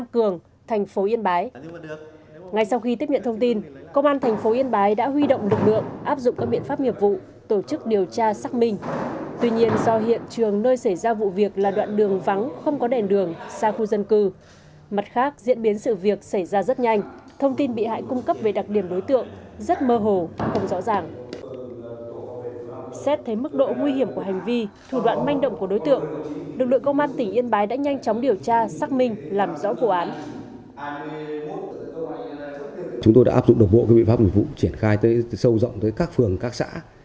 chúng tôi đã áp dụng đồng bộ các biện pháp mục vụ triển khai sâu rộng tới các phường các xã